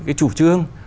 cái chủ trương